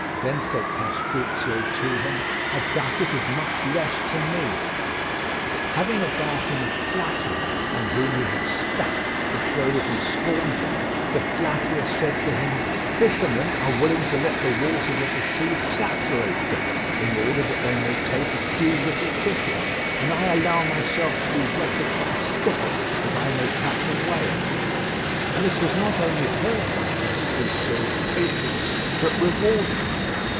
Then said Castruccio to him: "A ducat is much less to me." Having about him a flatterer on whom he had spat to show that he scorned him, the flatterer said to him: "Fisherman are willing to let the waters of the sea saturate them in order that they may take a few little fishes, and I allow myself to be wetted by spittle that I may catch a whale"; and this was not only heard by Castruccio with patience but rewarded.